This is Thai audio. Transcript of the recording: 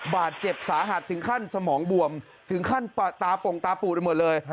บาดเจ็บสาหัสถึงขั้นสมองบวมถึงขั้นตาปงตาปูดไปหมดเลย